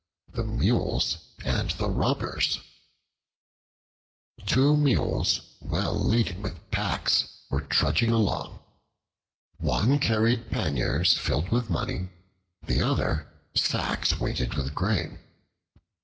The Mules and the Robbers TWO MULES well laden with packs were trudging along. One carried panniers filled with money, the other sacks weighted with grain.